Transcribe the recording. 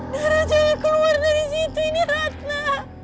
nahrajo yang keluar dari situ ini ratna